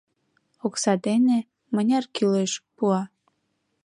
Окса дене — мыняр кӱлеш, пуа.